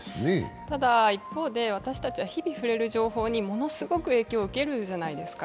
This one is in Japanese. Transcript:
ただ、一方で私たちは日々触れる情報にものすごく影響を受けるじゃないですか。